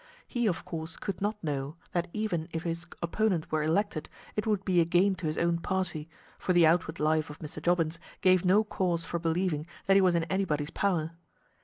He of course could not know that even if his opponent were elected it would be a gain to his own party, for the outward life of Mr. Jobbins gave no cause for believing that he was in anybody's power.